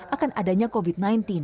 akan adanya covid sembilan belas